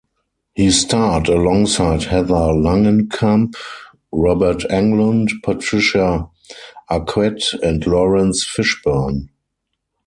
He starred alongside Heather Langenkamp, Robert Englund, Patricia Arquette, and Laurence Fishbourne.